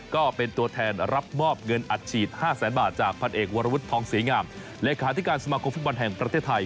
ก็เป็นตัวแทนรับมอบเงินอัดฉีด๕แสนบาทจากพันเอกวรวุฒิทองศรีงามเลขาธิการสมาคมฟุตบอลแห่งประเทศไทย